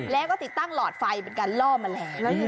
แล้วก็ติดตั้งหลอดไฟเป็นการล่อแมลง